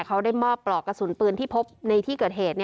เขาได้มอบปลอกกระสุนปืนที่พบในที่เกิดเหตุ